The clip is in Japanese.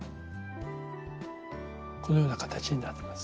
このような形になってます。